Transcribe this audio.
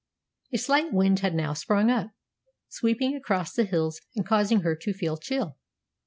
A slight wind had now sprung up, sweeping across the hills, and causing her to feel chill.